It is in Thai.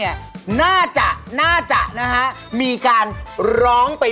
อยากให้ผมได้จับแคลร์นะครับ